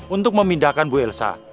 untuk memindahkan bu ilsa